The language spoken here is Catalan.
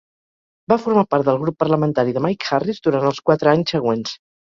Va formar part del grup parlamentari de Mike Harris durant els quatre anys següents.